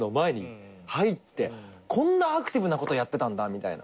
こんなアクティブなことやってたんだみたいな。